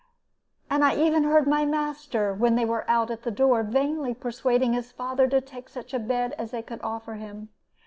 "And I even heard my master, when they went out at the door, vainly persuading his father to take such a bed as they could offer him.